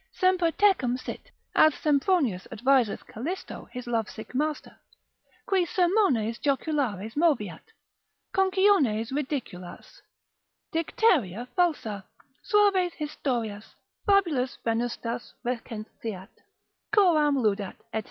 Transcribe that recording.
Semper tecum sit, (as Sempronius adviseth Calisto his lovesick master) qui sermones joculares moveat, conciones ridiculas, dicteria falsa, suaves historias, fabulas venustas recenseat, coram ludat, &c.